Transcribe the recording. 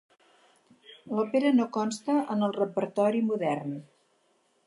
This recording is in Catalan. L'òpera no consta en el repertori modern.